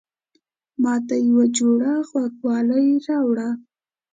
ماته يوه جوړه غوږوالۍ راوړه